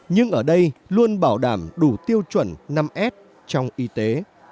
nhưng ở đây luôn bảo đảm đủ tiêu chuẩn năm s trong y tế